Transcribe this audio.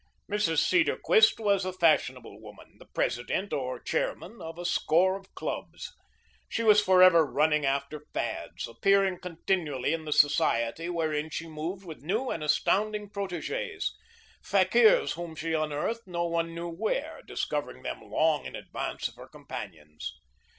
Mrs. Cedarquist was a fashionable woman, the president or chairman of a score of clubs. She was forever running after fads, appearing continually in the society wherein she moved with new and astounding proteges fakirs whom she unearthed no one knew where, discovering them long in advance of her companions.